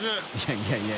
いやいや。